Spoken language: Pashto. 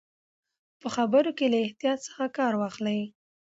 په خبرو کې له احتیاط څخه کار واخلئ.